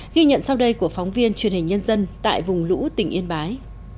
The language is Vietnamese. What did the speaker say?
ghi nhận sau đây của phóng viên truyền hình nhân dân tại vùng lũ tỉnh yên bái